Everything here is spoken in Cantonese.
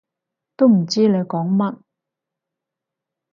都唔知你講乜